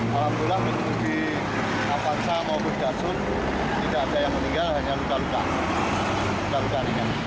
alhamdulillah pengemudi afansa maupun gansun tidak ada yang meninggal hanya luka luka